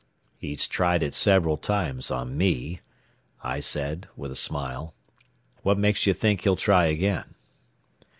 "He's tried it several times on me," I said, with a smile. "What makes you think he'll try again?"